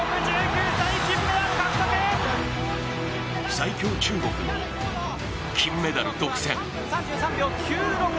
最強中国の金メダル独占。